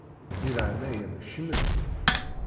Di leɛnaya-m kcem-d!